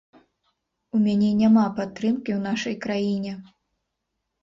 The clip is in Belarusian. У мяне няма падтрымкі ў нашай краіне.